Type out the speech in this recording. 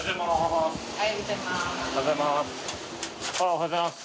おはようございます。